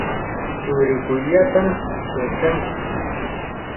tsurikuyllatam yachanki.